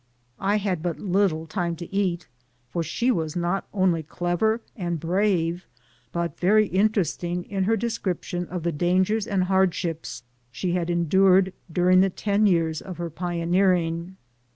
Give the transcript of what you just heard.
I had but little time to eat, for she was not only clever and brave, but very interesting in her description of the dangers and hardships she had endured during the ten years of her pioneering.